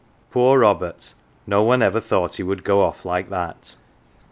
Poor Robert no one ever thought he would go off like that.